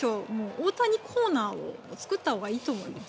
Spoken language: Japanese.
大谷コーナーを作ったほうがいいと思います。